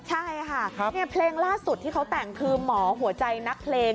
ใช่ค่ะเพลงล่าสุดที่เขาแต่งคือหมอหัวใจนักเพลง